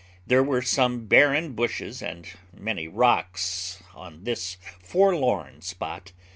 There were some barren bushes and many rocks on this forlorn spot.